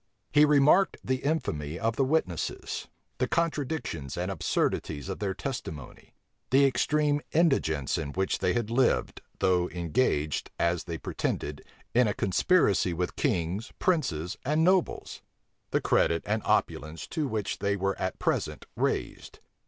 He remarked the infamy of the witnesses; the contradictions and absurdities of their testimony; the extreme indigence in which they had lived, though engaged, as they pretended, in a conspiracy with kings, princes, and nobles; the credit and opulence to which they were at present raised.